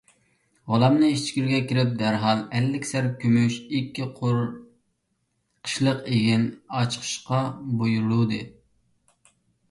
غۇلامنى ئىچكىرىگە كىرىپ دەرھال ئەللىك سەر كۈمۈش، ئىككى قۇر قىشلىق ئېگىن ئاچىقىشقا بۇيرۇدى.